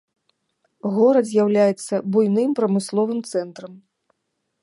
Горад з'яўляецца буйным прамысловым цэнтрам.